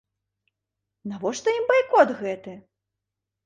Навошта ім байкот гэты?